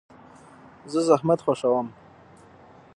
زه زحمت خوښوم.